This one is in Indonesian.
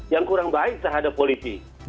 yang kurang baik terhadap polisi